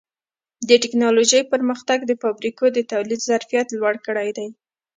د ټکنالوجۍ پرمختګ د فابریکو د تولید ظرفیت لوړ کړی دی.